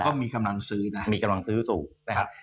แล้วก็มีกำลังซื้อสูง